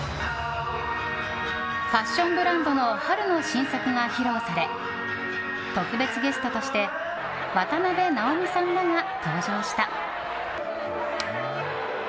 ファッションブランドの春の新作が披露され特別ゲストとして渡辺直美さんらが登場した。